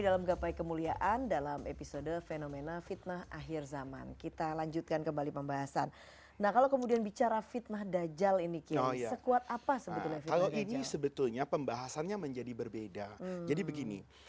jangan kemana mana gapai kemuliaan akan kembali sesaat lagi